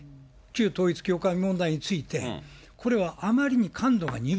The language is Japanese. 旧統一教会問題について、これはあまりに感度が鈍い。